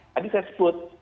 tadi saya sebut